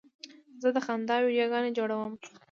زه د خندا ویډیوګانې جوړوم.